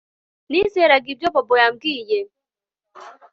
Nizeraga ibyo Bobo yambwiye